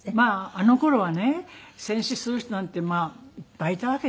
あの頃はね戦死する人なんてまあいっぱいいたわけでしょ。